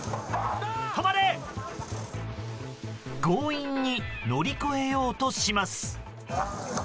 強引に乗り越えようとします。